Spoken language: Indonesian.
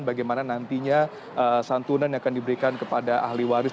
bagaimana nantinya santunan yang akan diberikan kepada ahli waris